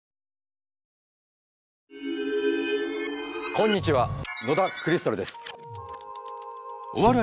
こんにちは野田クリスタルです。